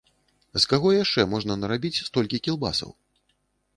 З каго яшчэ можна нарабіць столькі кілбасаў?